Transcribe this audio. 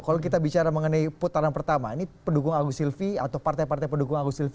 kalau kita bicara mengenai putaran pertama ini pendukung agus silvi atau partai partai pendukung agus silvi